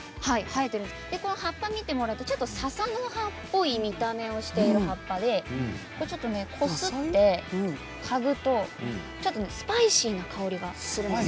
この葉っぱを見ていただいて笹の葉みたいな見た目をしている葉っぱでこすって嗅ぐとちょっとスパイシーな香りがするんです。